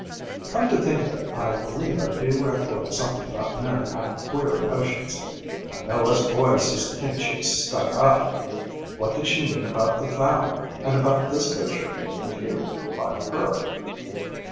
'Come to think of it, I believe I do recollect something about Min having queer notions. I know us boys used to think she was stuck up. What did she mean about the vow and about this picture being of you, by her?'